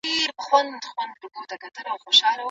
بايد په هر ښار کي عامه کتابتونونه جوړ سي.